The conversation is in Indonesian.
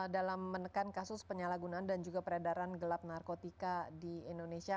dalam menekan kasus penyalahgunaan dan juga peredaran gelap narkotika di indonesia